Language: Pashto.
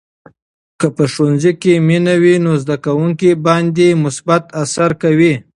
که په ښوونځي کې مینه وي، نو زده کوونکي باندې مثبت اثر کوي.